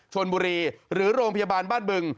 ชนบุรีหรือโรงพยาบาลบ้านบึง